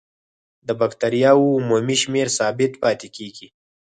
د بکټریاوو عمومي شمېر ثابت پاتې کیږي.